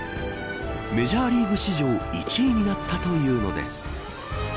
メジャーリーグ史上１位になったというのです。